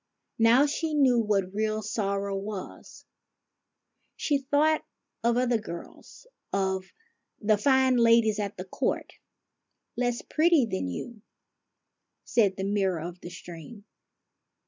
Now she knew what real sorrow was. She thought of other girls, of the fine ladies at the court, —" Less pretty than you," said the mirror of the stream.